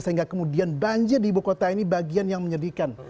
sehingga kemudian banjir di ibu kota ini bagian yang menyedihkan